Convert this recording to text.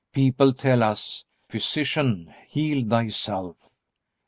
People tell us: "Physician, heal thyself."